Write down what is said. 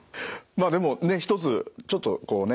まあでもね一つちょっとこうね